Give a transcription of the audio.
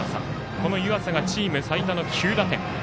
この湯浅がチーム最多の９打点。